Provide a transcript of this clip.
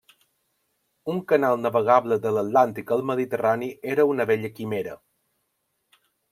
Un canal navegable de l'atlàntic al mediterrani era una vella quimera.